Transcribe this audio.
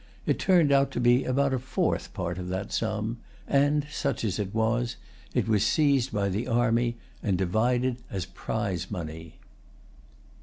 It turned out to be about a fourth part of that sum; and, such as it was, it was seized by the army, and divided as prize money.